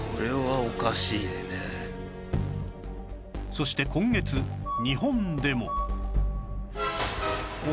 そして今月日本でも